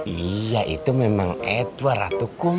iya itu memang edward